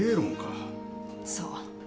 そう。